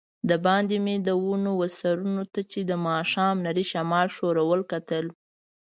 دباندې مې د ونو وه سرونو ته چي د ماښام نري شمال ښورول، کتل.